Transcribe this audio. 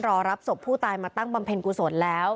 รอรับศพผู้ตายมาตั้งบำเพ็ญกุศลแล้ว